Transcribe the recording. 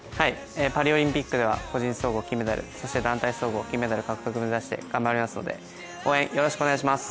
パリオリンピックでは個人総合金メダル、そして団体総合金メダル獲得目指して頑張りますので、応援よろしくお願いします。